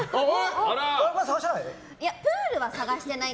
あれ、探してない？